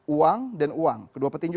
uang dan uang kedua petinju